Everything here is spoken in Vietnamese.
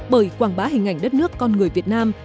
bởi quảng bá hình ảnh đất nước con người việt nam